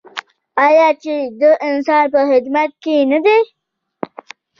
آیا چې د انسان په خدمت کې نه دی؟